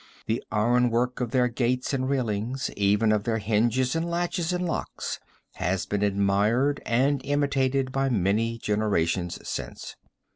The iron work of their gates and railings, even of their hinges and latches and locks, has been admired and imitated by many generations since.